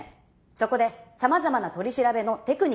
そこで様々な取り調べのテクニックがあるわけです。